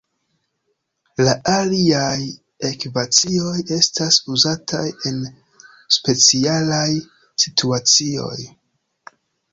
La aliaj ekvacioj estas uzataj en specialaj situacioj.